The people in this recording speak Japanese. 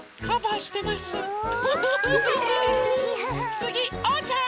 つぎおうちゃん！